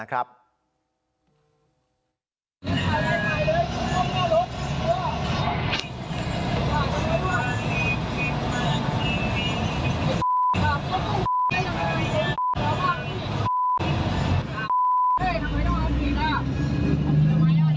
ฯแม้รถอยู่ทีุ่น